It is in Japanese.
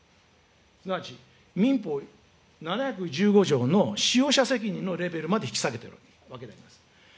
すなわち民法７１５条の使用者責任のレベルまで引き下げているわけであります。